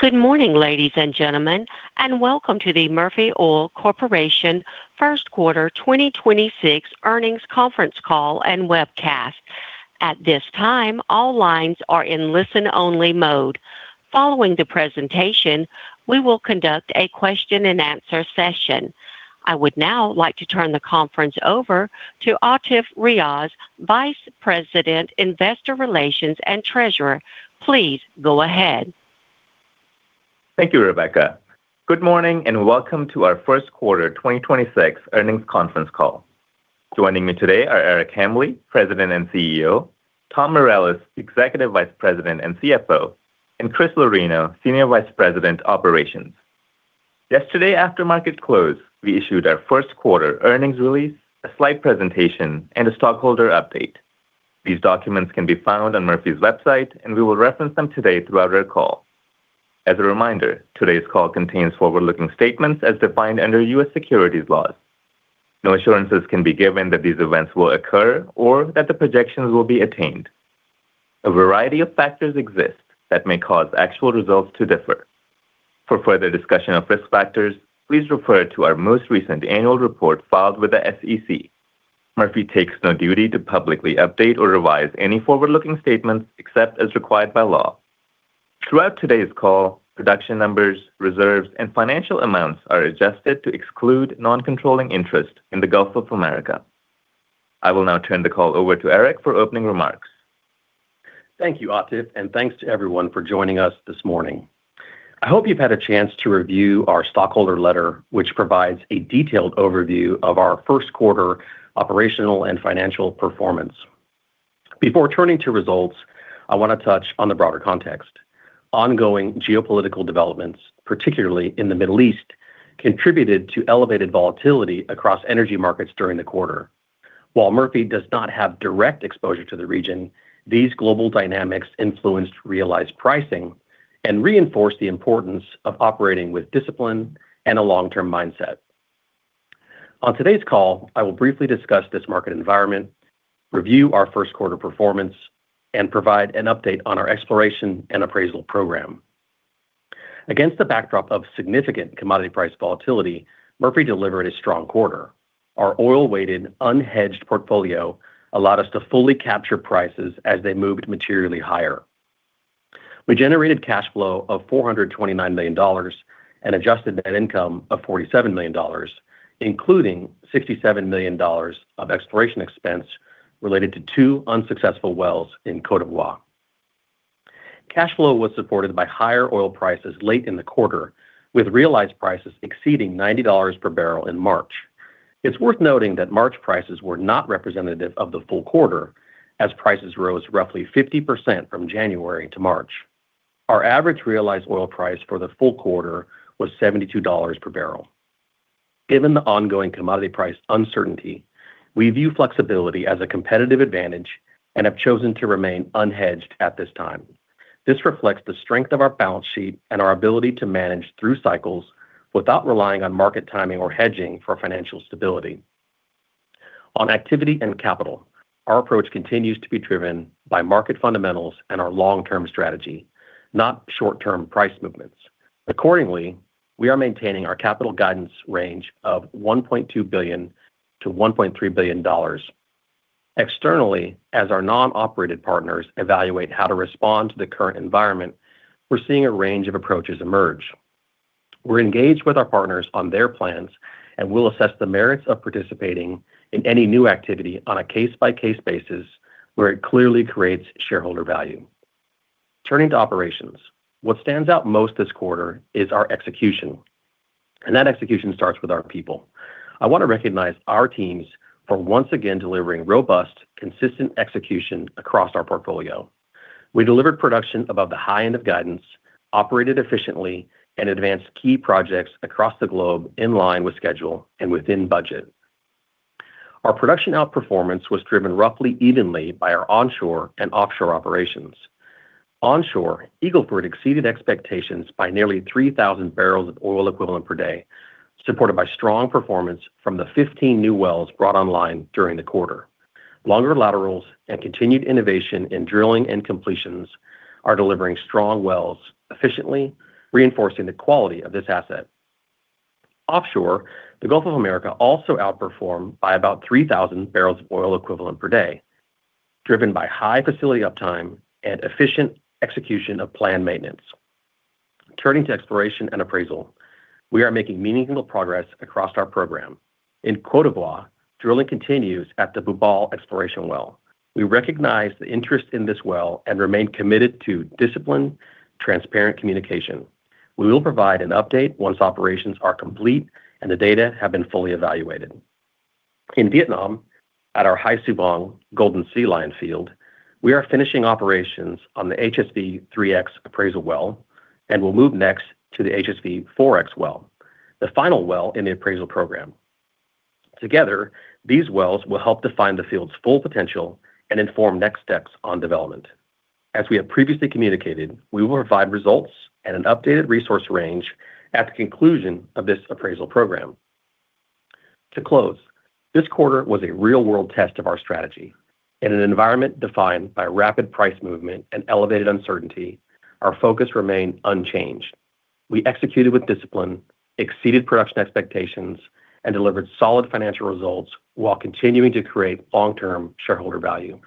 Good morning, ladies and gentlemen, and welcome to the Murphy Oil Corporation first quarter 2026 earnings conference call and webcast. At this time, all lines are in listen-only mode. Following the presentation, we will conduct a question-and-answer session. I would now like to turn the conference over to Atif Riaz, Vice President, Investor Relations and Treasurer. Please go ahead. Thank you, Rebecca. Good morning, welcome to our first quarter 2026 earnings conference call. Joining me today are Eric Hambly, President and CEO, Tom Mireles, Executive Vice President and CFO, and Chris Lorino, Senior Vice President, Operations. Yesterday after market close, we issued our first quarter earnings release, a slide presentation, and a stockholder update. These documents can be found on Murphy's website, and we will reference them today throughout our call. As a reminder, today's call contains forward-looking statements as defined under U.S. securities laws. No assurances can be given that these events will occur or that the projections will be attained. A variety of factors exist that may cause actual results to differ. For further discussion of risk factors, please refer to our most recent annual report filed with the SEC. Murphy takes no duty to publicly update or revise any forward-looking statements except as required by law. Throughout today's call, production numbers, reserves, and financial amounts are adjusted to exclude non-controlling interest in the Gulf of Mexico. I will now turn the call over to Eric for opening remarks. Thank you, Atif, and thanks to everyone for joining us this morning. I hope you've had a chance to review our stockholder letter, which provides a detailed overview of our first quarter operational and financial performance. Before turning to results, I want to touch on the broader context. Ongoing geopolitical developments, particularly in the Middle East, contributed to elevated volatility across energy markets during the quarter. While Murphy does not have direct exposure to the region, these global dynamics influenced realized pricing and reinforced the importance of operating with discipline and a long-term mindset. On today's call, I will briefly discuss this market environment, review our first quarter performance, and provide an update on our exploration and appraisal program. Against the backdrop of significant commodity price volatility, Murphy delivered a strong quarter. Our oil-weighted unhedged portfolio allowed us to fully capture prices as they moved materially higher. We generated cash flow of $429 million and adjusted net income of $47 million, including $67 million of exploration expense related to two unsuccessful wells in Côte d'Ivoire. Cash flow was supported by higher oil prices late in the quarter, with realized prices exceeding $90 per bbl in March. It's worth noting that March prices were not representative of the full quarter, as prices rose roughly 50% from January to March. Our average realized oil price for the full quarter was $72 per bbl. Given the ongoing commodity price uncertainty, we view flexibility as a competitive advantage and have chosen to remain unhedged at this time. This reflects the strength of our balance sheet and our ability to manage through cycles without relying on market timing or hedging for financial stability. On activity and capital, our approach continues to be driven by market fundamentals and our long-term strategy, not short-term price movements. Accordingly, we are maintaining our capital guidance range of $1.2 billion-$1.3 billion. Externally, as our non-operated partners evaluate how to respond to the current environment, we're seeing a range of approaches emerge. We're engaged with our partners on their plans, and we'll assess the merits of participating in any new activity on a case-by-case basis where it clearly creates shareholder value. Turning to operations, what stands out most this quarter is our execution, and that execution starts with our people. I want to recognize our teams for once again delivering robust, consistent execution across our portfolio. We delivered production above the high end of guidance, operated efficiently, and advanced key projects across the globe in line with schedule and within budget. Our production outperformance was driven roughly evenly by our onshore and offshore operations. Onshore, Eagle Ford exceeded expectations by nearly 3,000 bbl of oil equivalent per day, supported by strong performance from the 15 new wells brought online during the quarter. Longer laterals and continued innovation in drilling and completions are delivering strong wells efficiently, reinforcing the quality of this asset. Offshore, the Gulf of Mexico also outperformed by about 3,000 bbl of oil equivalent per day, driven by high facility uptime and efficient execution of planned maintenance. Turning to exploration and appraisal, we are making meaningful progress across our program. In Côte d'Ivoire, drilling continues at the Bubale exploration well. We recognize the interest in this well and remain committed to disciplined, transparent communication. We will provide an update once operations are complete and the data have been fully evaluated. In Vietnam, at our Hai Su Vang Golden Sea Lion field, we are finishing operations on the HSV-3X appraisal well and will move next to the HSV-4X well, the final well in the appraisal program. Together, these wells will help define the field's full potential and inform next steps on development. As we have previously communicated, we will provide results and an updated resource range at the conclusion of this appraisal program. This quarter was a real-world test of our strategy. In an environment defined by rapid price movement and elevated uncertainty, our focus remained unchanged. We executed with discipline, exceeded production expectations, and delivered solid financial results while continuing to create long-term shareholder value.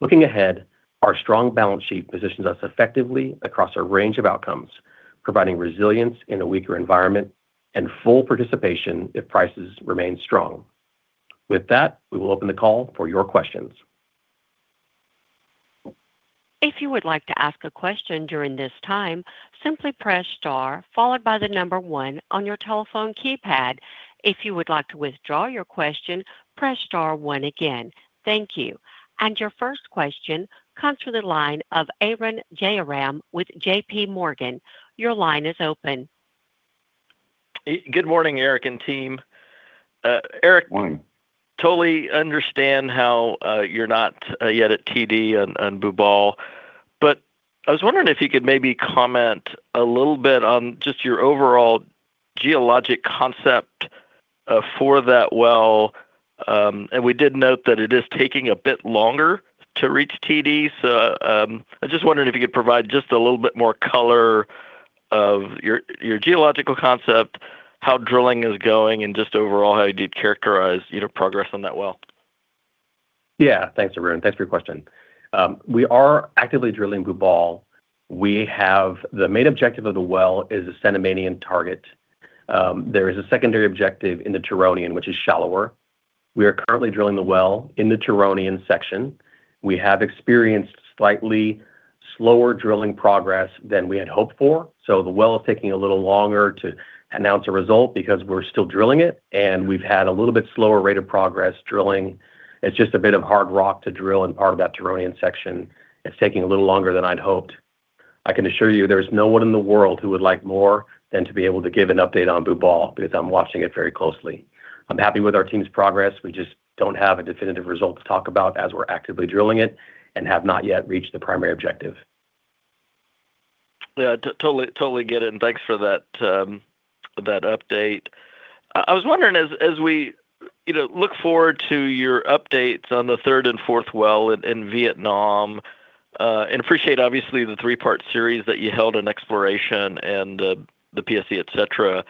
Looking ahead, our strong balance sheet positions us effectively across a range of outcomes, providing resilience in a weaker environment and full participation if prices remain strong. With that, we will open the call for your questions. If you would like to ask a question during this time, simply press star followed by the number one on your telephone keypad. If you would like to withdraw your question, press star one again. Thank you. Your first question comes from the line of Arun Jayaram with JPMorgan. Your line is open. Good morning, Eric and team. Morning. Totally understand how you're not yet at TD on Bubale, but I was wondering if you could maybe comment a little bit on just your overall geologic concept for that well, and we did note that it is taking a bit longer to reach TD. I just wondered if you could provide just a little bit more color of your geological concept, how drilling is going, and just overall how you'd characterize, you know, progress on that well. Thanks, Arun. Thanks for your question. We are actively drilling Bubale. The main objective of the well is a Cenomanian target. There is a secondary objective in the Turonian, which is shallower. We are currently drilling the well in the Turonian section. We have experienced slightly slower drilling progress than we had hoped for, the well is taking a little longer to announce a result because we're still drilling it, and we've had a little bit slower rate of progress drilling. It's just a bit of hard rock to drill in part of that Turonian section. It's taking a little longer than I'd hoped. I can assure you there's no one in the world who would like more than to be able to give an update on Bubale because I'm watching it very closely. I'm happy with our team's progress. We just don't have a definitive result to talk about as we're actively drilling it and have not yet reached the primary objective. Yeah. Totally get it, and thanks for that update. I was wondering as we, you know, look forward to your updates on the third and fourth well in Vietnam, and appreciate obviously the three-part series that you held in exploration and the PSC, et cetera.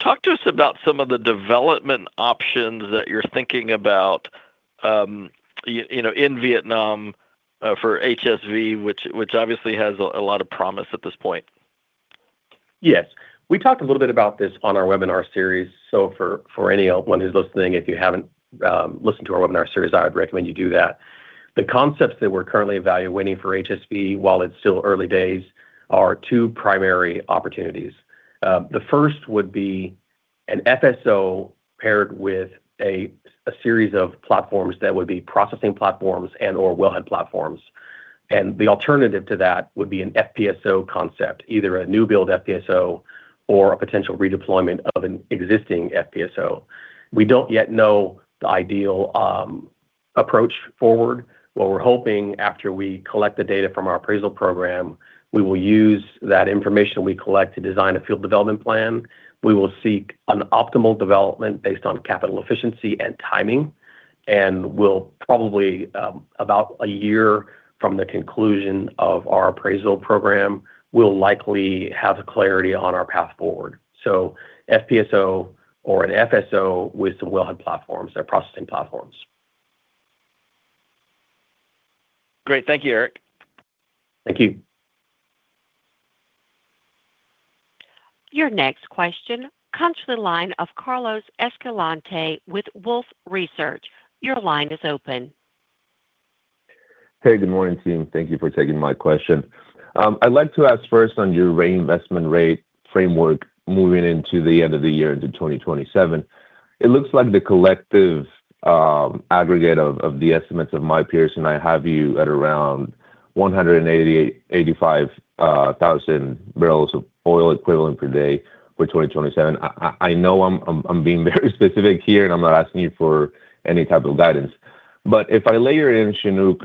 Talk to us about some of the development options that you're thinking about, you know, in Vietnam, for HSV, which obviously has a lot of promise at this point. Yes. We talked a little bit about this on our webinar series. For anyone who's listening, if you haven't listened to our webinar series, I would recommend you do that. The concepts that we're currently evaluating for HSV, while it's still early days, are two primary opportunities. The first would be an FSO paired with a series of platforms that would be processing platforms and/or wellhead platforms. The alternative to that would be an FPSO concept, either a new build FPSO or a potential redeployment of an existing FPSO. We don't yet know the ideal approach forward. What we're hoping after we collect the data from our appraisal program, we will use that information we collect to design a field development plan. We will seek an optimal development based on capital efficiency and timing, and we'll probably about a year from the conclusion of our appraisal program, we'll likely have clarity on our path forward. FPSO or an FSO with some wellhead platforms or processing platforms. Great. Thank you, Eric. Thank you. Your next question comes from the line of Carlos Escalante with Wolfe Research. Your line is open. Hey, good morning, team. Thank you for taking my question. I'd like to ask first on your reinvestment rate framework moving into the end of the year into 2027. It looks like the collective aggregate of the estimates of my peers, and I have you at around 185,000 bbl of oil equivalent per day for 2027. I know I'm being very specific here, and I'm not asking you for any type of guidance. If I layer in Chinook,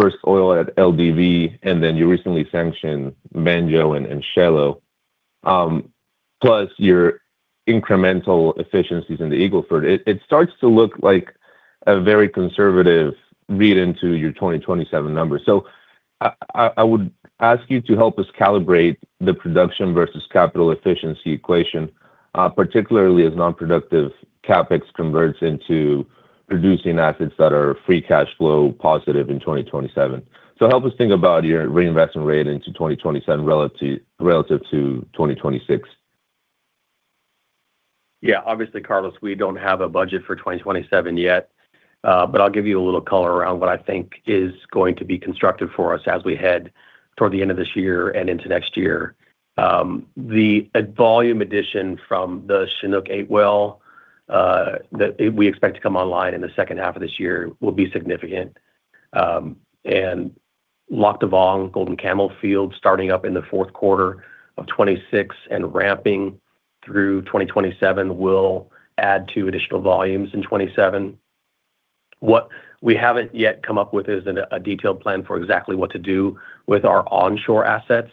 first oil at LDV, and then you recently sanctioned Banjo and Cello, plus your incremental efficiencies in the Eagle Ford, it starts to look like a very conservative read into your 2027 numbers. I would ask you to help us calibrate the production versus capital efficiency equation, particularly as non-productive CapEx converts into producing assets that are free cash flow positive in 2027. Help us think about your reinvestment rate into 2027 relative to 2026. Yeah. Obviously, Carlos, we don't have a budget for 2027 yet, but I'll give you a little color around what I think is going to be constructive for us as we head toward the end of this year and into next year. The volume addition from the Chinook #8 well that we expect to come online in the second half of this year will be significant. Lac Da Vang, Golden Camel field starting up in the fourth quarter of 2026 and ramping through 2027 will add two additional volumes in 2027. What we haven't yet come up with is a detailed plan for exactly what to do with our onshore assets.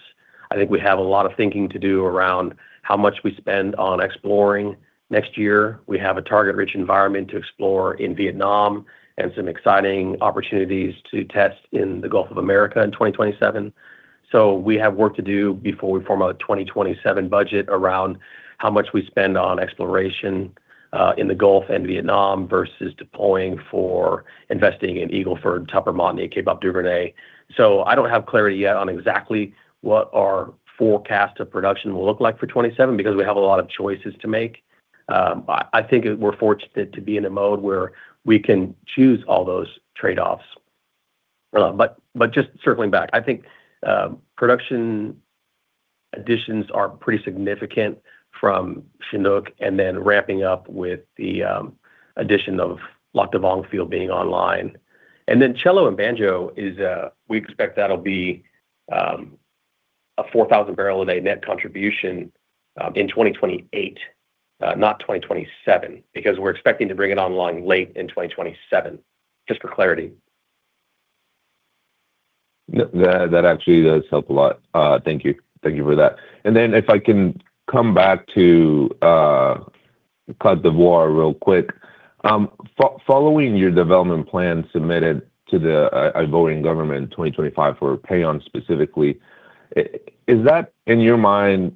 I think we have a lot of thinking to do around how much we spend on exploring next year. We have a target-rich environment to explore in Vietnam and some exciting opportunities to test in the Gulf of Mexico in 2027. We have work to do before we form a 2027 budget around how much we spend on exploration in the Gulf and Vietnam versus deploying for investing in Eagle Ford, Tupper Montney, Kaybob Duvernay. I don't have clarity yet on exactly what our forecast of production will look like for 2027 because we have a lot of choices to make. I think we're fortunate to be in a mode where we can choose all those trade-offs. Just circling back, I think production additions are pretty significant from Chinook and then ramping up with the addition of Lac Da Vang field being online. Cello and Banjo is, we expect that'll be a 4,000 barrel a day net contribution in 2028, not 2027 because we're expecting to bring it online late in 2027, just for clarity. That actually does help a lot. Thank you. Thank you for that. If I can come back to Côte d'Ivoire real quick. Following your development plan submitted to the Ivorian government in 2025 for Paon specifically, is that in your mind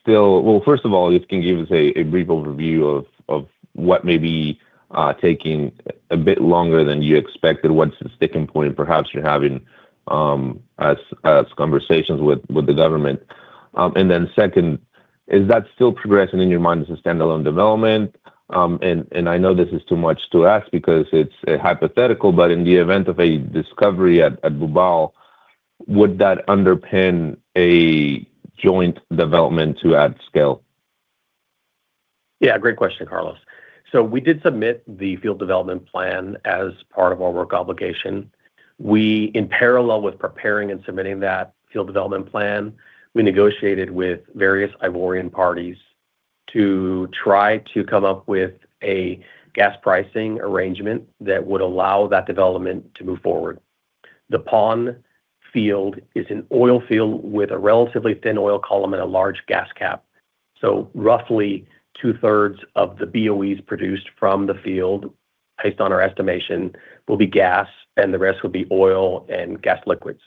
still Well, first of all, if you can give us a brief overview of what may be taking a bit longer than you expected. What's the sticking point perhaps you're having as conversations with the government? Second, is that still progressing in your mind as a standalone development? I know this is too much to ask because it's a hypothetical, but in the event of a discovery at Bubale, would that underpin a joint development to add scale? Yeah, great question, Carlos. We did submit the field development plan as part of our work obligation. We, in parallel with preparing and submitting that field development plan, we negotiated with various Ivorian parties to try to come up with a gas pricing arrangement that would allow that development to move forward. The Paon field is an oil field with a relatively thin oil column and a large gas cap. Roughly 2/3 of the BOEs produced from the field, based on our estimation, will be gas, and the rest will be oil and gas liquids.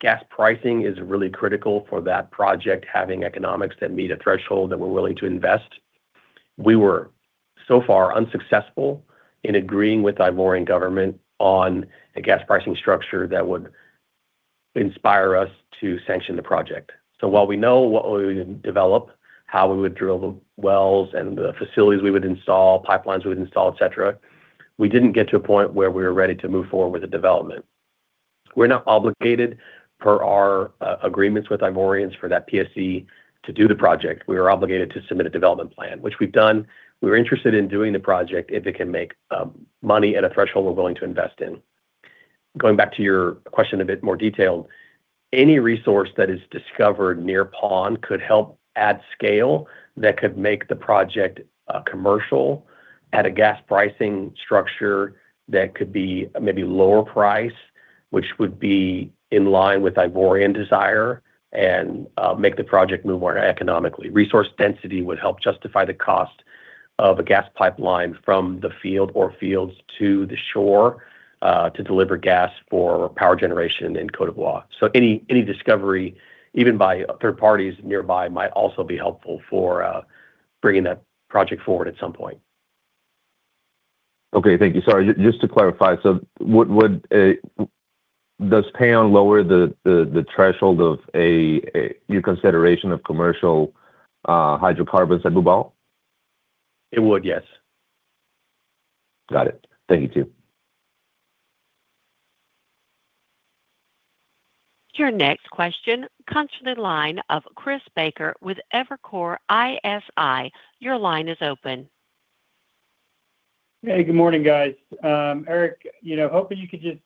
Gas pricing is really critical for that project having economics that meet a threshold that we're willing to invest. We were so far unsuccessful in agreeing with Ivorian government on a gas pricing structure that would inspire us to sanction the project. While we know what we would develop, how we would drill the wells and the facilities we would install, pipelines we would install, et cetera, we didn't get to a point where we were ready to move forward with the development. We're not obligated per our agreements with Ivorians for that PSC to do the project. We are obligated to submit a development plan, which we've done. We're interested in doing the project if it can make money at a threshold we're willing to invest in. Going back to your question a bit more detailed, any resource that is discovered near Paon could help add scale that could make the project commercial at a gas pricing structure that could be maybe lower price, which would be in line with Ivorian desire and make the project move more economically. Resource density would help justify the cost of a gas pipeline from the field or fields to the shore, to deliver gas for power generation in Côte d'Ivoire. Any discovery, even by third parties nearby, might also be helpful for bringing that project forward at some point. Okay. Thank you. Sorry, just to clarify. Does Paon lower the threshold of a new consideration of commercial hydrocarbons at Bubale? It would, yes. Got it. Thank you too. Your next question comes from the line of Chris Baker with Evercore ISI. Your line is open. Hey, good morning, guys. Eric, you know, hoping you could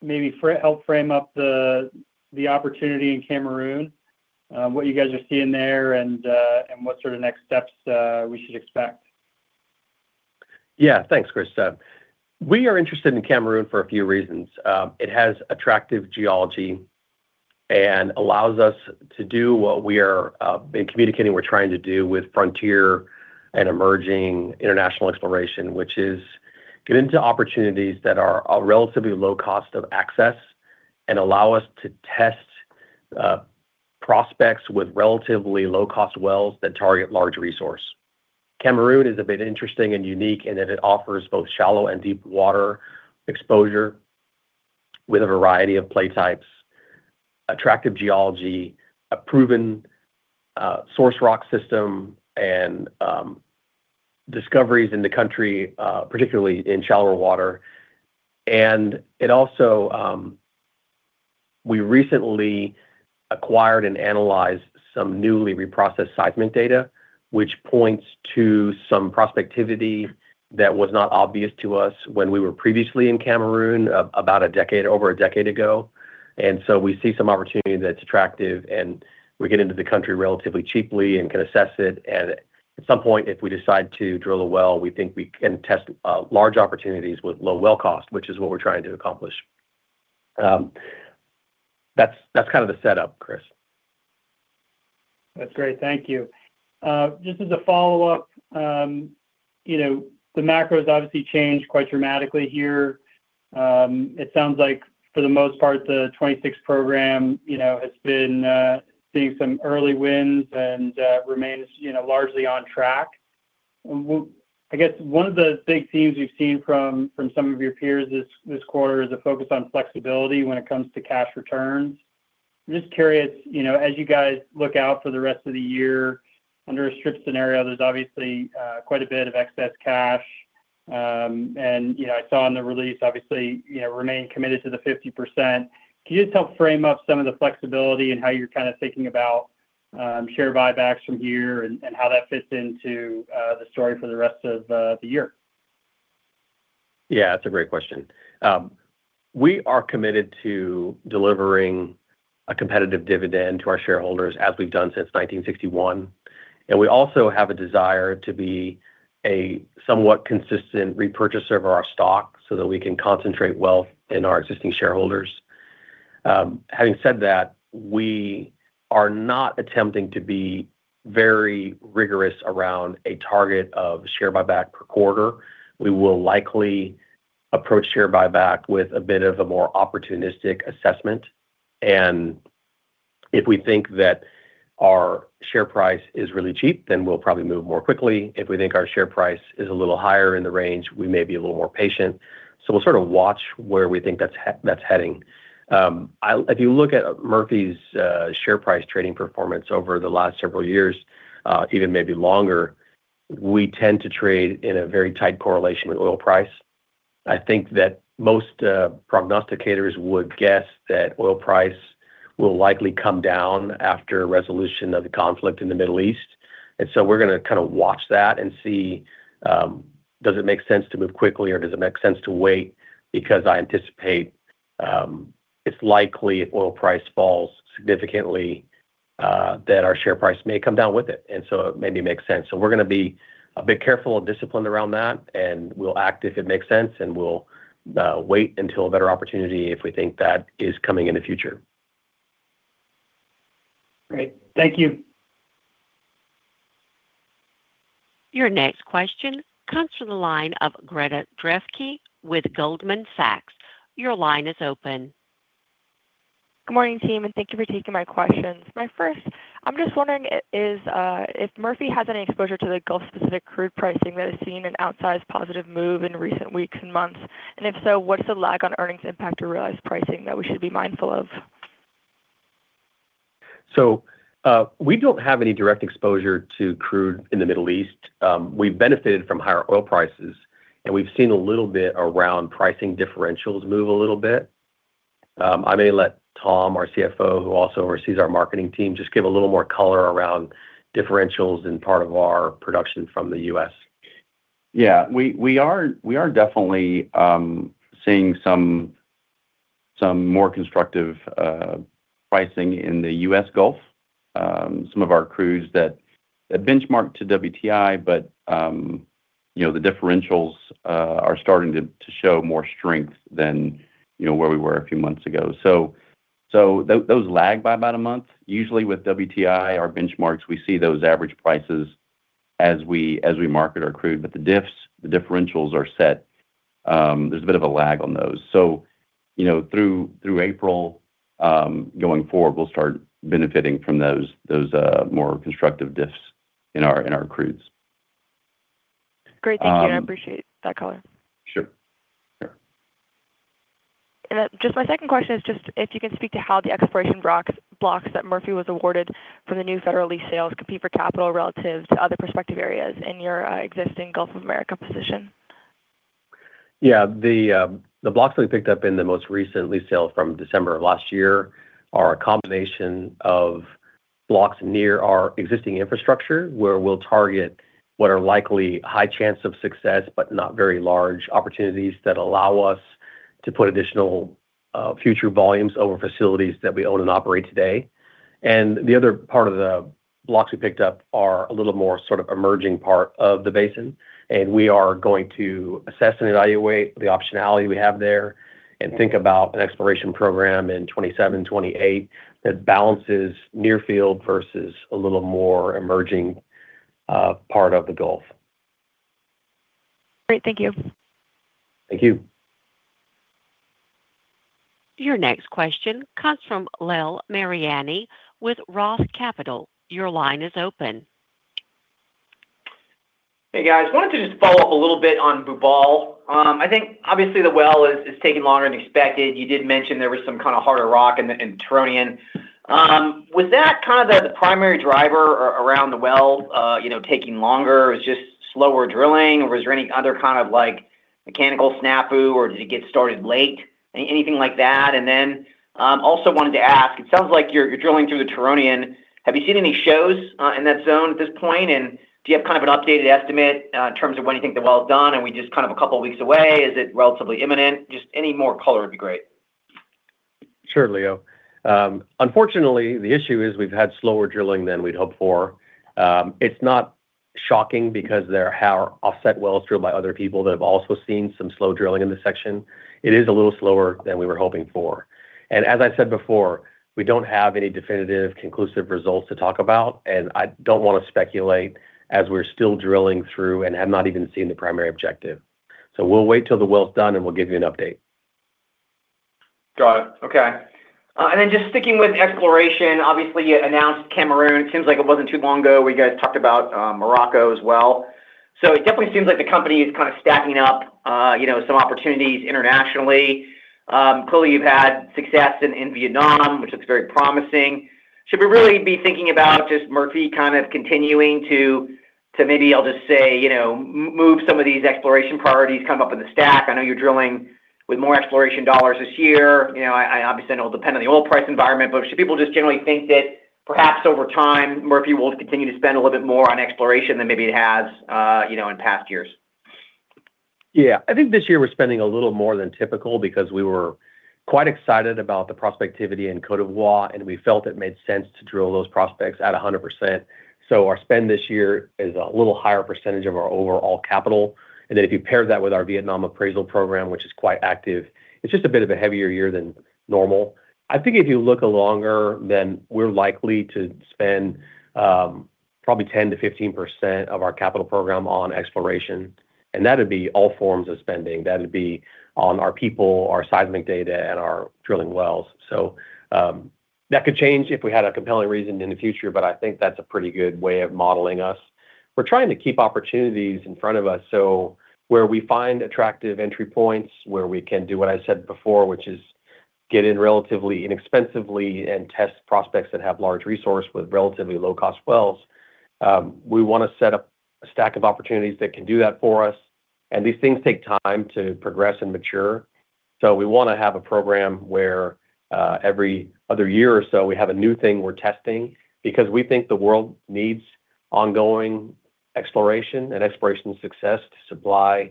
maybe help frame up the opportunity in Cameroon, what you guys are seeing there and what sort of next steps we should expect? Yeah. Thanks, Chris. We are interested in Cameroon for a few reasons. It has attractive geology and allows us to do what we are communicating we're trying to do with frontier and emerging international exploration, which is get into opportunities that are a relatively low cost of access and allow us to test prospects with relatively low cost wells that target large resource. Cameroon is a bit interesting and unique in that it offers both shallow and deep water exposure with a variety of play types, attractive geology, a proven source rock system and discoveries in the country, particularly in shallower water. It also, we recently acquired and analyzed some newly reprocessed seismic data, which points to some prospectivity that was not obvious to us when we were previously in Cameroon about a decade, over a decade ago. We see some opportunity that's attractive, and we get into the country relatively cheaply and can assess it. At some point, if we decide to drill a well, we think we can test large opportunities with low well cost, which is what we're trying to accomplish. That's kind of the setup, Chris. That's great. Thank you. Just as a follow-up, you know, the macro's obviously changed quite dramatically here. It sounds like for the most part, the 2026 program, you know, has been seeing some early wins and remains, you know, largely on track. I guess one of the big themes we've seen from some of your peers this quarter is a focus on flexibility when it comes to cash returns. I'm just curious, you know, as you guys look out for the rest of the year, under a strict scenario, there's obviously quite a bit of excess cash. And, you know, I saw in the release obviously, you know, remain committed to the 50%. Can you just help frame up some of the flexibility in how you're kind of thinking about share buybacks from here and how that fits into the story for the rest of the year? Yeah, that's a great question. We are committed to delivering a competitive dividend to our shareholders as we've done since 1961. We also have a desire to be a somewhat consistent repurchaser of our stock so that we can concentrate wealth in our existing shareholders. Having said that, we are not attempting to be very rigorous around a target of share buyback per quarter. We will likely approach share buyback with a bit of a more opportunistic assessment. If we think that our share price is really cheap, then we'll probably move more quickly. If we think our share price is a little higher in the range, we may be a little more patient. We'll sort of watch where we think that's heading. If you look at Murphy Oil's share price trading performance over the last several years, even maybe longer, we tend to trade in a very tight correlation with oil price. I think that most prognosticators would guess that oil price will likely come down after resolution of the conflict in the Middle East. We're going to kind of watch that and see, does it make sense to move quickly or does it make sense to wait? Because I anticipate, it's likely if oil price falls significantly, that our share price may come down with it. It maybe makes sense. We're going to be a bit careful and disciplined around that, and we'll act if it makes sense, and we'll wait until a better opportunity if we think that is coming in the future. Great. Thank you. Your next question comes from the line of Greta Drefke with Goldman Sachs. Your line is open. Good morning, team. Thank you for taking my questions. My first question is, I'm just wondering if Murphy has any exposure to the Gulf specific crude pricing that has seen an outsized positive move in recent weeks and months. If so, what is the lag on earnings impact or realized pricing that we should be mindful of? We don't have any direct exposure to crude in the Middle East. We've benefited from higher oil prices, and we've seen a little bit around pricing differentials move a little bit. I may let Tom, our CFO, who also oversees our marketing team, just give a little more color around differentials in part of our production from the U.S. Yeah. We are definitely seeing some more constructive pricing in the U.S. Gulf. Some of our crudes that benchmark to WTI, you know, the differentials are starting to show more strength than, you know, where we were a few months ago. Those lag by about one month. Usually with WTI, our benchmarks, we see those average prices as we market our crude. The diffs, the differentials are set. There's a bit of a lag on those. You know, through April, going forward, we'll start benefiting from those more constructive diffs in our crudes. Great. Thank you. Um— I appreciate that color. Sure. Sure. Just my second question is if you can speak to how the exploration blocks that Murphy was awarded from the new federal lease sales compete for capital relative to other prospective areas in your existing Gulf of Mexico position? Yeah. The blocks that we picked up in the most recent lease sale from December of last year are a combination of blocks near our existing infrastructure, where we'll target what are likely high chance of success, but not very large opportunities that allow us to put additional future volumes over facilities that we own and operate today. The other part of the blocks we picked up are a little more sort of emerging part of the basin, and we are going to assess and evaluate the optionality we have there and think about an exploration program in 2027, 2028 that balances near field versus a little more emerging part of the Gulf. Great. Thank you. Thank you. Your next question comes from Leo Mariani with Roth Capital. Your line is open. Hey, guys. Wanted to just follow up a little bit on Bubale. I think obviously the well is taking longer than expected. You did mention there was some kind of harder rock in Turonian. Was that kind of the primary driver around the well, you know, taking longer? It's just slower drilling or was there any other kind of like mechanical snafu, or did it get started late? Anything like that? Also wanted to ask, it sounds like you're drilling through the Turonian. Have you seen any shows in that zone at this point? Do you have kind of an updated estimate in terms of when you think the well's done? Are we just kind of a couple of weeks away? Is it relatively imminent? Just any more color would be great. Sure, Leo. Unfortunately, the issue is we've had slower drilling than we'd hoped for. It's not shocking because how our offset wells drilled by other people that have also seen some slow drilling in this section. It is a little slower than we were hoping for. As I said before, we don't have any definitive conclusive results to talk about, and I don't wanna speculate as we're still drilling through and have not even seen the primary objective. We'll wait till the well's done, and we'll give you an update. Got it. Okay. Then just sticking with exploration, obviously you announced Cameroon. Seems like it wasn't too long ago where you guys talked about Morocco as well. It definitely seems like the company is kind of stacking up, you know, some opportunities internationally. Clearly you've had success in Vietnam, which looks very promising. Should we really be thinking about just Murphy kind of continuing to maybe I'll just say, you know, move some of these exploration priorities come up in the stack? I know you're drilling with more exploration dollars this year. You know, I obviously know it'll depend on the oil price environment. Should people just generally think that perhaps over time Murphy will continue to spend a little bit more on exploration than maybe it has, you know, in past years? I think this year we're spending a little more than typical because we were quite excited about the prospectivity in Côte d'Ivoire, and we felt it made sense to drill those prospects at 100%. Our spend this year is a little higher percentage of our overall capital. If you pair that with our Vietnam appraisal program, which is quite active, it's just a bit of a heavier year than normal. I think if you look longer, then we're likely to spend probably 10%-15% of our capital program on exploration, and that'd be all forms of spending. That'd be on our people, our seismic data, and our drilling wells. That could change if we had a compelling reason in the future, but I think that's a pretty good way of modeling us. We're trying to keep opportunities in front of us, so where we find attractive entry points, where we can do what I said before, which is get in relatively inexpensively and test prospects that have large resource with relatively low cost wells. We wanna set up a stack of opportunities that can do that for us, and these things take time to progress and mature. We wanna have a program where every other year or so we have a new thing we're testing because we think the world needs ongoing exploration and exploration success to supply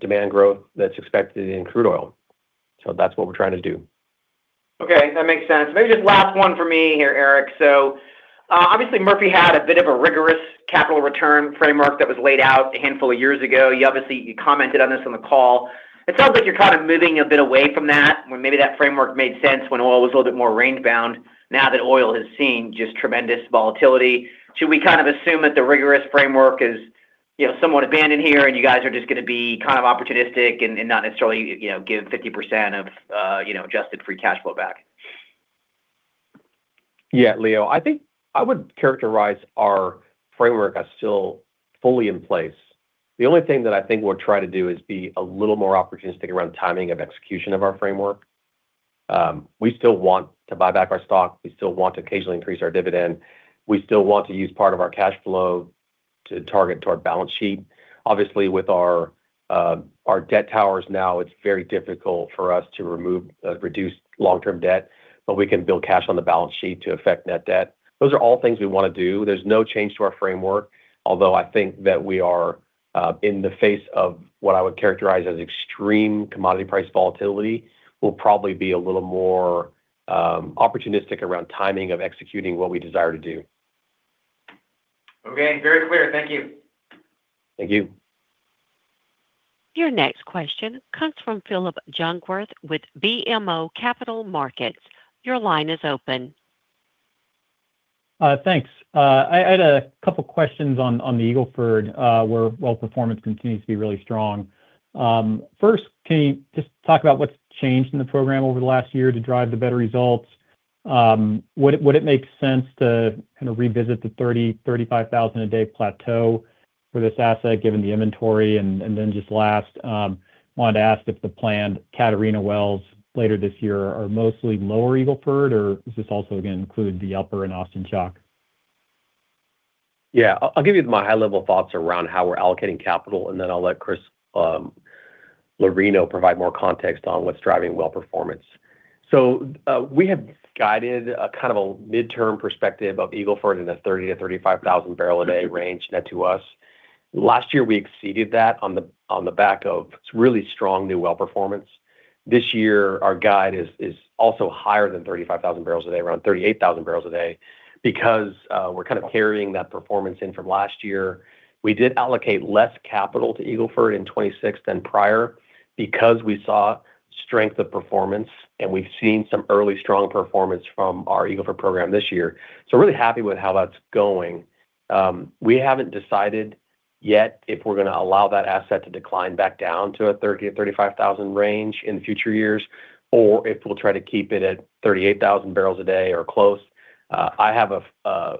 demand growth that's expected in crude oil. That's what we're trying to do. Okay. That makes sense. Maybe just last one for me here, Eric. Obviously Murphy had a bit of a rigorous capital return framework that was laid out a handful of years ago. You commented on this on the call. It sounds like you're kind of moving a bit away from that, where maybe that framework made sense when oil was a little bit more range bound now that oil has seen just tremendous volatility. Should we kind of assume that the rigorous framework is, you know, somewhat abandoned here and you guys are just gonna be kind of opportunistic and not necessarily, you know, give 50% of, you know, adjusted free cash flow back? Yeah, Leo, I think I would characterize our framework as still fully in place. The only thing that I think we'll try to do is be a little more opportunistic around timing of execution of our framework. We still want to buy back our stock. We still want to occasionally increase our dividend. We still want to use part of our cash flow to target to our balance sheet. Obviously with our debt towers now, it's very difficult for us to remove, reduce long-term debt, but we can build cash on the balance sheet to affect net debt. Those are all things we wanna do. There's no change to our framework. Although I think that we are in the face of what I would characterize as extreme commodity price volatility, we'll probably be a little more opportunistic around timing of executing what we desire to do. Okay. Very clear. Thank you. Thank you. Your next question comes from Phillip Jungwirth with BMO Capital Markets. Your line is open. Thanks. I had a couple questions on the Eagle Ford, where well performance continues to be really strong. First, can you just talk about what's changed in the program over the last year to drive the better results? Would it make sense to kind of revisit the 30,000-35,000 a day plateau for this asset given the inventory? Then just last, wanted to ask if the planned Catarina wells later this year are mostly lower Eagle Ford, or is this also gonna include the upper and Austin Chalk? Yeah. I'll give you my high-level thoughts around how we're allocating capital, and then I'll let Chris Lorino provide more context on what's driving well performance. We have guided a kind of a midterm perspective of Eagle Ford in the 30,000-35,000 bpd range net to us. Last year we exceeded that on the back of really strong new well performance. This year our guide is also higher than 35,000 bpd, around 38,000 bpd because we're kind of carrying that performance in from last year. We did allocate less capital to Eagle Ford in 2026 than prior because we saw strength of performance, and we've seen some early strong performance from our Eagle Ford program this year. We're really happy with how that's going. We haven't decided yet if we're gonna allow that asset to decline back down to a 30,000-35,000 range in future years or if we'll try to keep it at 38,000 bpd or close. I have a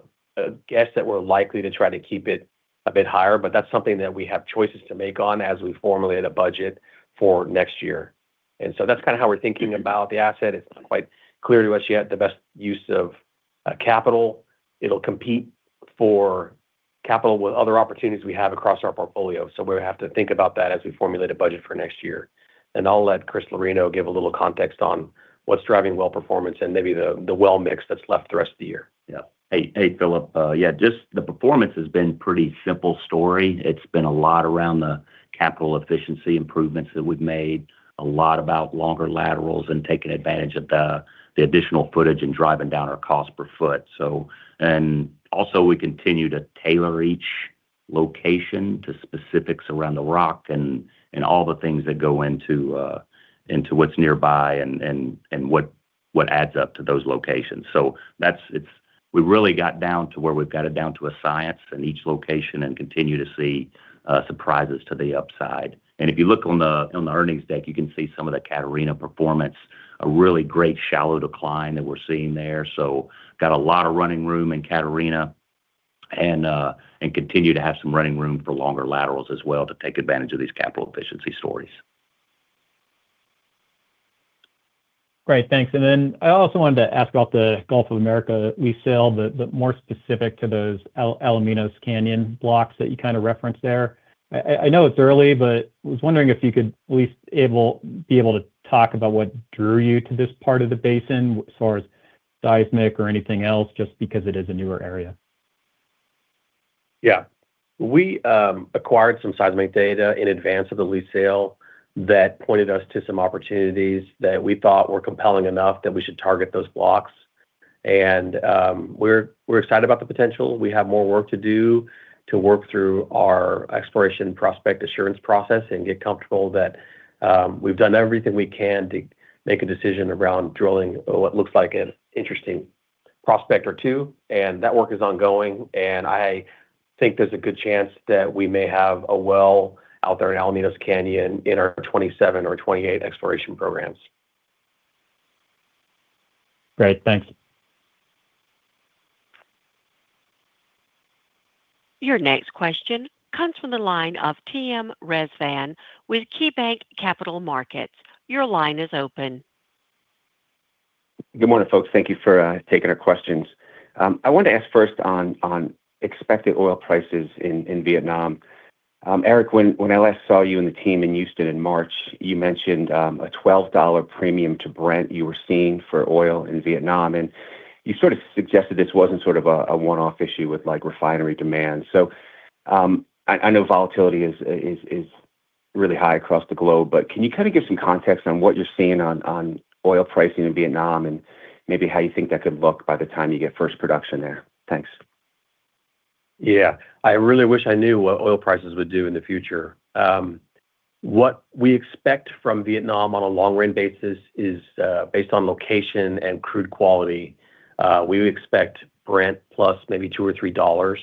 guess that we're likely to try to keep it a bit higher, but that's something that we have choices to make on as we formulate a budget for next year. That's kind of how we're thinking about the asset. It's not quite clear to us yet the best use of capital. It'll compete for capital with other opportunities we have across our portfolio. We have to think about that as we formulate a budget for next year. I'll let Chris Lorino give a little context on what's driving well performance and maybe the well mix that's left the rest of the year. Yeah. Hey, hey, Phillip. Yeah, just the performance has been pretty simple story. It's been a lot around the capital efficiency improvements that we've made, a lot about longer laterals and taking advantage of the additional footage and driving down our cost per foot. Location to specifics around the rock and all the things that go into what's nearby and what adds up to those locations. We really got down to where we've got it down to a science in each location and continue to see surprises to the upside. If you look on the earnings deck, you can see some of the Catarina performance, a really great shallow decline that we're seeing there. Got a lot of running room in Catarina and continue to have some running room for longer laterals as well to take advantage of these capital efficiency stories. Great, thanks. I also wanted to ask about the Gulf of Mexico lease sale, but more specific to those Alaminos Canyon blocks that you kind of referenced there. I know it's early, but I was wondering if you could be able to talk about what drew you to this part of the basin as far as seismic or anything else, just because it is a newer area? Yeah. We acquired some seismic data in advance of the lease sale that pointed us to some opportunities that we thought were compelling enough that we should target those blocks. We're excited about the potential. We have more work to do to work through our exploration prospect assurance process and get comfortable that we've done everything we can to make a decision around drilling what looks like an interesting prospect or two, and that work is ongoing. I think there's a good chance that we may have a well out there in Alaminos Canyon in our 2027 or 2028 exploration programs. Great, thanks. Your next question comes from the line of Tim Rezvan with KeyBanc Capital Markets. Your line is open. Good morning, folks. Thank you for taking our questions. I wanted to ask first on expected oil prices in Vietnam. Eric, when I last saw you and the team in Houston in March, you mentioned a $12 premium to Brent you were seeing for oil in Vietnam, and you sort of suggested this wasn't sort of a one-off issue with like refinery demand. I know volatility is really high across the globe, but can you kind of give some context on what you're seeing on oil pricing in Vietnam and maybe how you think that could look by the time you get first production there? Thanks. Yeah. I really wish I knew what oil prices would do in the future. What we expect from Vietnam on a long-run basis is based on location and crude quality. We would expect Brent plus $2 or $3.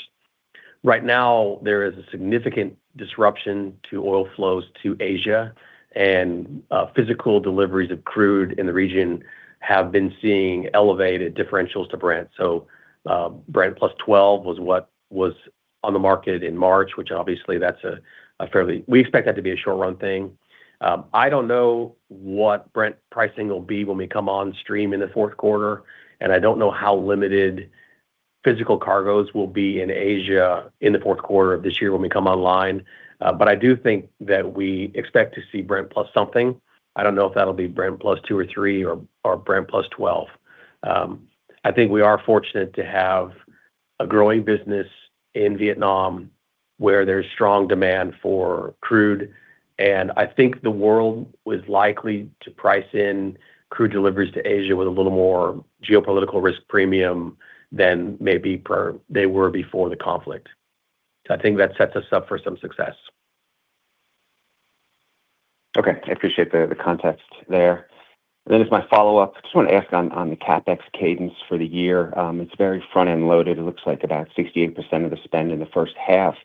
Right now, there is a significant disruption to oil flows to Asia, and physical deliveries of crude in the region have been seeing elevated differentials to Brent. Brent plus $12 was what was on the market in March, which obviously We expect that to be a short-run thing. I don't know what Brent pricing will be when we come on stream in the fourth quarter, and I don't know how limited physical cargoes will be in Asia in the fourth quarter of this year when we come online. I do think that we expect to see Brent plus something. I don't know if that'll be Brent plus $2 or $3 or Brent plus $12. I think we are fortunate to have a growing business in Vietnam where there's strong demand for crude, and I think the world is likely to price in crude deliveries to Asia with a little more geopolitical risk premium than maybe per they were before the conflict. I think that sets us up for some success. Okay. I appreciate the context there. As my follow-up, I just wanna ask on the CapEx cadence for the year. It's very front-end loaded. It looks like about 68% of the spend in the first half.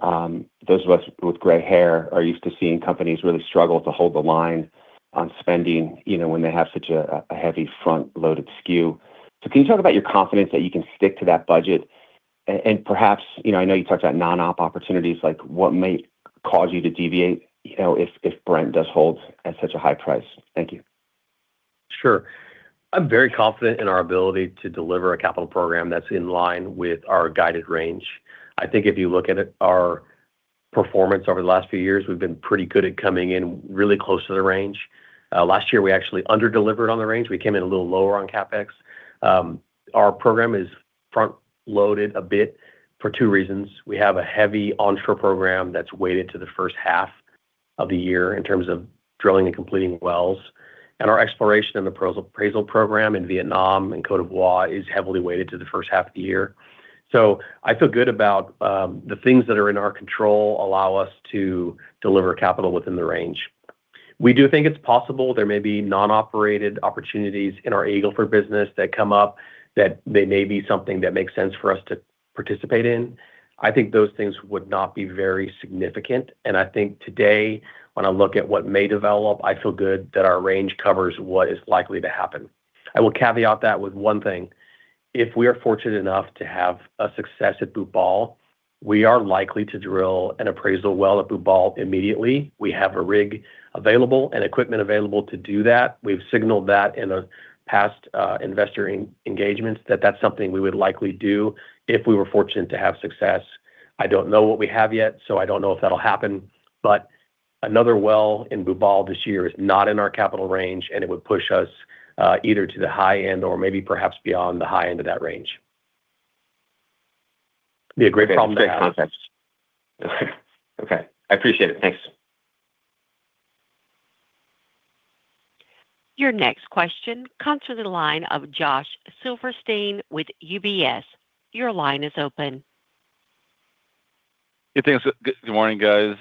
Those of us with gray hair are used to seeing companies really struggle to hold the line on spending, you know, when they have such a heavy front-loaded skew. Can you talk about your confidence that you can stick to that budget? Perhaps, you know, I know you talked about non-op opportunities, like what might cause you to deviate, you know, if Brent does hold at such a high price? Thank you. Sure. I'm very confident in our ability to deliver a capital program that's in line with our guided range. I think if you look at it, our performance over the last few years, we've been pretty good at coming in really close to the range. Last year we actually under-delivered on the range. We came in a little lower on CapEx. Our program is front-loaded a bit for two reasons. We have a heavy onshore program that's weighted to the first half of the year in terms of drilling and completing wells, and our exploration and appraisal program in Vietnam and Côte d'Ivoire is heavily weighted to the first half of the year. I feel good about the things that are in our control allow us to deliver capital within the range. We do think it's possible there may be non-operated opportunities in our Eagle Ford business that come up that they may be something that makes sense for us to participate in. I think those things would not be very significant. I think today, when I look at what may develop, I feel good that our range covers what is likely to happen. I will caveat that with one thing. If we are fortunate enough to have a success at Bubale, we are likely to drill an appraisal well at Bubale immediately. We have a rig available and equipment available to do that. We've signaled that in a past investor engagements that that's something we would likely do if we were fortunate to have success. I don't know what we have yet, so I don't know if that'll happen. Another well in Bubale this year is not in our capital range, and it would push us either to the high end or maybe perhaps beyond the high end of that range. Yeah, great call. Thanks. Okay. I appreciate it. Thanks. Your next question comes from the line of Josh Silverstein with UBS. Your line is open. Good thanks. Good morning, guys.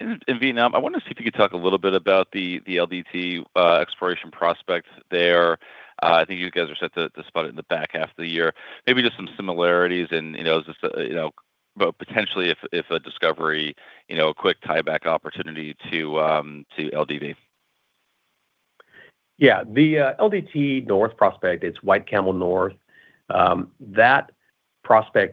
In Vietnam, I wanted to see if you could talk a little bit about the LDT exploration prospects there. I think you guys are set to spot it in the back half of the year. Maybe just some similarities and, you know, but potentially if a discovery, you know, a quick tie back opportunity to LDV. Yeah. The LDT North prospect, it's White Camel North. That prospect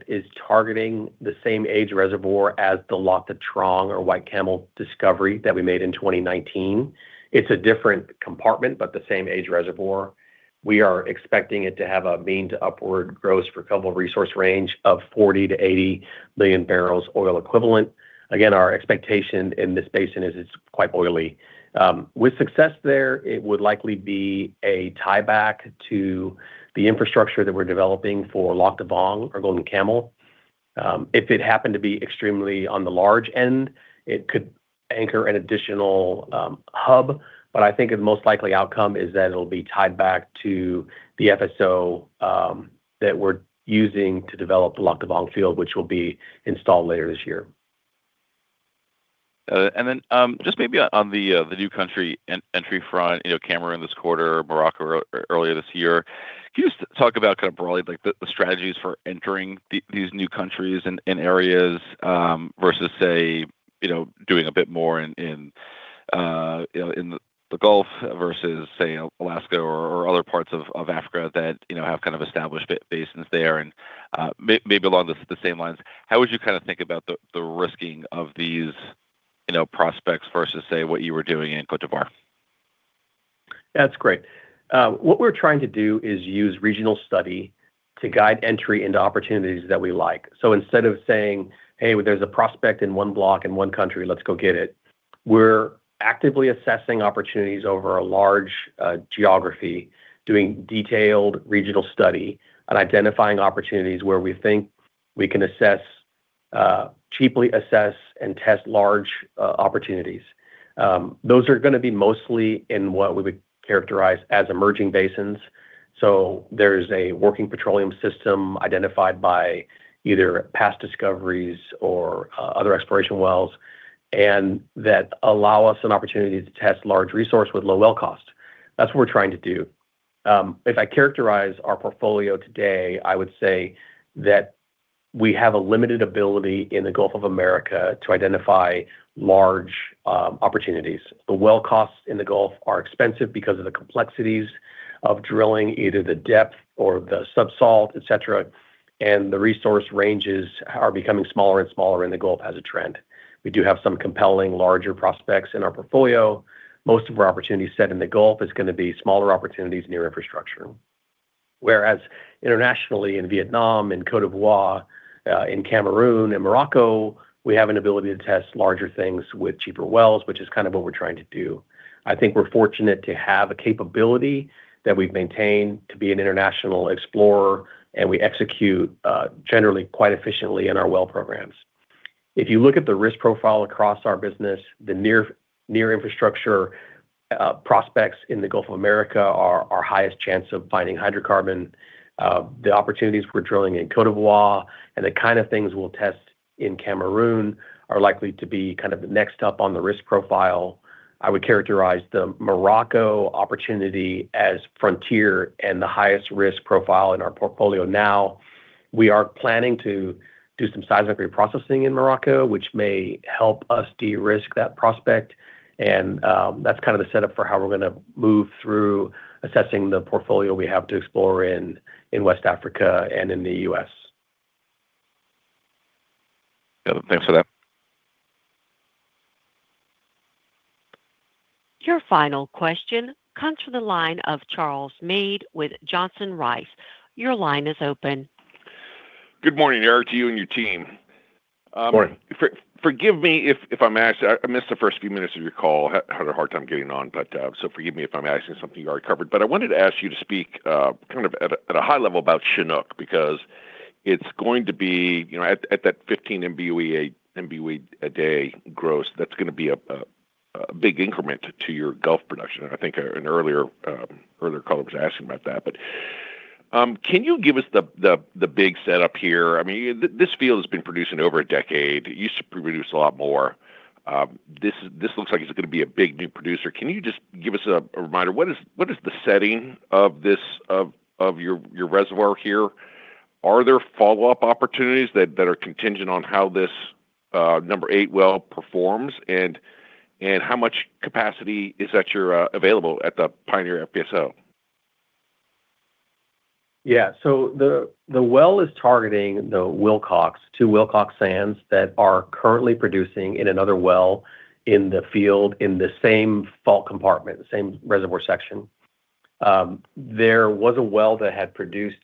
is targeting the same age reservoir as the Lac Da Trang or White Camel discovery that we made in 2019. It's a different compartment, but the same age reservoir. We are expecting it to have a mean to upward gross for recoverable resource range of 40 million-80 million bbl oil equivalent. Again, our expectation in this basin is it's quite oily. With success there, it would likely be a tie back to the infrastructure that we're developing for Lac Da Vang or Golden Camel. If it happened to be extremely on the large end, it could anchor an additional hub. I think the most likely outcome is that it'll be tied back to the FSO that we're using to develop the Lac Da Vang field, which will be installed later this year. Just maybe on the new country entry front, you know, Cameroon this quarter, Morocco earlier this year. Can you just talk about kind of broadly, like the strategies for entering these new countries and areas versus say, you know, doing a bit more in, you know, in the Gulf versus say Alaska or other parts of Africa that, you know, have kind of established basins there? Maybe along the same lines, how would you kind of think about the risking of these, you know, prospects versus say what you were doing in Côte d'Ivoire? That's great. What we're trying to do is use regional study to guide entry into opportunities that we like. Instead of saying, "Hey, there's a prospect in one block in one country, let's go get it," we're actively assessing opportunities over a large geography, doing detailed regional study and identifying opportunities where we think we can cheaply assess and test large opportunities. Those are gonna be mostly in what we would characterize as emerging basins. There's a working petroleum system identified by either past discoveries or other exploration wells, and that allow us an opportunity to test large resource with low well cost. That's what we're trying to do. If I characterize our portfolio today, I would say that we have a limited ability in the Gulf of Mexico to identify large opportunities. The well costs in the Gulf are expensive because of the complexities of drilling either the depth or the subsalt, et cetera, and the resource ranges are becoming smaller and smaller in the Gulf as a trend. We do have some compelling larger prospects in our portfolio. Most of our opportunities set in the Gulf is going to be smaller opportunities near infrastructure. Internationally in Vietnam, in Côte d'Ivoire, in Cameroon, in Morocco, we have an ability to test larger things with cheaper wells, which is kind of what we're trying to do. I think we're fortunate to have a capability that we've maintained to be an international explorer, and we execute generally quite efficiently in our well programs. If you look at the risk profile across our business, the near infrastructure prospects in the U.S. Gulf of Mexico are our highest chance of finding hydrocarbon. The opportunities we're drilling in Côte d'Ivoire and the kind of things we'll test in Cameroon are likely to be kind of next up on the risk profile. I would characterize the Morocco opportunity as frontier and the highest risk profile in our portfolio now. We are planning to do some seismic reprocessing in Morocco, which may help us de-risk that prospect. That's kind of the setup for how we're gonna move through assessing the portfolio we have to explore in West Africa and in the U.S. Yeah. Thanks for that. Your final question comes from the line of Charles Meade with Johnson Rice. Your line is open. Good morning, Eric, to you and your team. Morning. Forgive me if I'm asking. I missed the first few minutes of your call. Had a hard time getting on, so forgive me if I'm asking something you already covered. I wanted to ask you to speak, kind of at a high level about Chinook because it's going to be, you know, at that 15 MBOEPD gross, that's gonna be a big increment to your Gulf production. I think an earlier caller was asking about that. Can you give us the big setup here? I mean, this field has been producing over a decade. It used to produce a lot more. This looks like it's gonna be a big new producer. Can you just give us a reminder, what is the setting of your reservoir here? Are there follow-up opportunities that are contingent on how this number 8 well performs? How much capacity is available at the Pioneer FPSO? Yeah. The well is targeting the Wilcox, two Wilcox sands that are currently producing in another well in the field in the same fault compartment, the same reservoir section. There was a well that had produced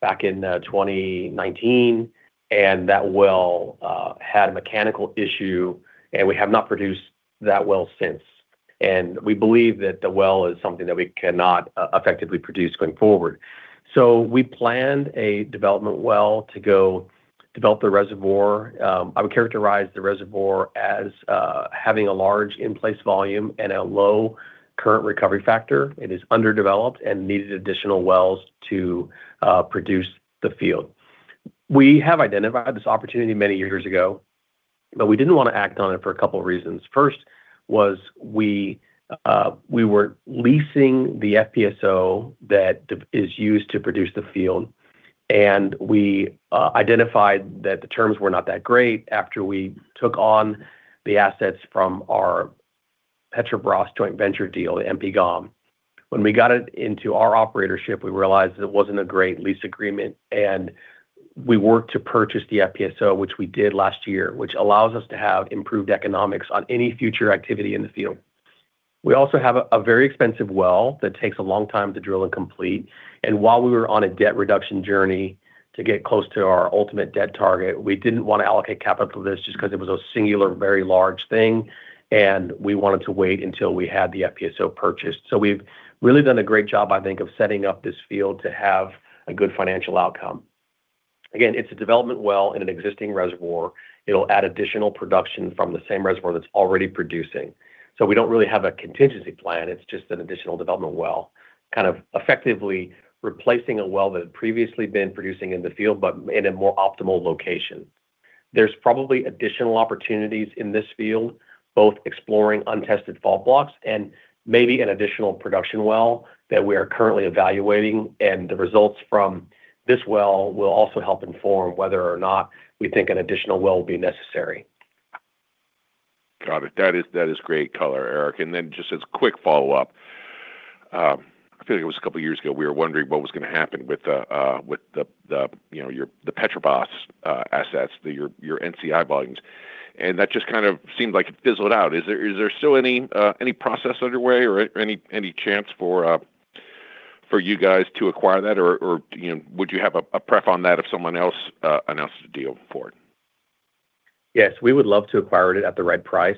back in 2019, and that well had a mechanical issue, and we have not produced that well since. We believe that the well is something that we cannot effectively produce going forward. We planned a development well to go develop the reservoir. I would characterize the reservoir as having a large in-place volume and a low current recovery factor. It is underdeveloped and needed additional wells to produce the field. We have identified this opportunity many years ago, but we didn't wanna act on it for a couple reasons. First was we were leasing the FPSO that is used to produce the field, and we identified that the terms were not that great after we took on the assets from our Petrobras joint venture deal, the MP GOM. When we got it into our operatorship, we realized it wasn't a great lease agreement, and we worked to purchase the FPSO, which we did last year, which allows us to have improved economics on any future activity in the field. We also have a very expensive well that takes a long time to drill and complete. While we were on a debt reduction journey to get close to our ultimate debt target, we didn't wanna allocate capital to this just 'cause it was a singular, very large thing, and we wanted to wait until we had the FPSO purchased. We've really done a great job, I think, of setting up this field to have a good financial outcome. Again, it's a development well in an existing reservoir. It'll add additional production from the same reservoir that's already producing. We don't really have a contingency plan. It's just an additional development well, kind of effectively replacing a well that had previously been producing in the field, but in a more optimal location. There's probably additional opportunities in this field, both exploring untested fault blocks and maybe an additional production well that we are currently evaluating, and the results from this well will also help inform whether or not we think an additional well will be necessary. Got it. That is, that is great color, Eric. Just as quick follow-up, I feel like it was a couple years ago, we were wondering what was gonna happen with the, you know, the Petrobras assets, your NCI volumes, and that just kind of seemed like it fizzled out. Is there still any process underway or any chance for you guys to acquire that or, you know, would you have a pref on that if someone else announces a deal for it? Yes, we would love to acquire it at the right price.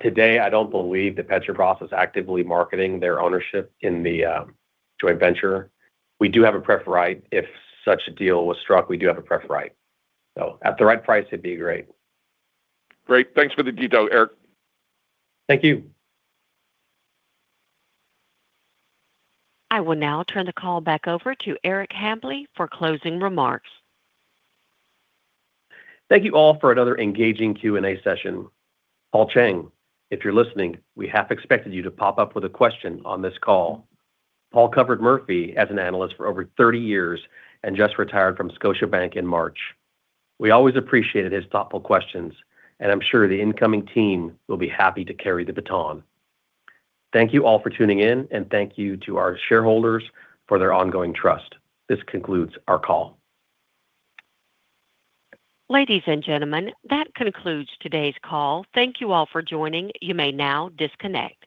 Today, I don't believe that Petrobras is actively marketing their ownership in the joint venture. We do have a pref right. If such a deal was struck, we do have a pref right. At the right price, it'd be great. Great. Thanks for the detail, Eric. Thank you. I will now turn the call back over to Eric Hambly for closing remarks. Thank you all for another engaging Q&A session. Paul Cheng, if you're listening, we half expected you to pop up with a question on this call. Paul covered Murphy as an analyst for over 30 years and just retired from Scotiabank in March. We always appreciated his thoughtful questions, and I'm sure the incoming team will be happy to carry the baton. Thank you all for tuning in, and thank you to our shareholders for their ongoing trust. This concludes our call. Ladies and gentlemen, that concludes today's call. Thank you all for joining. You may now disconnect.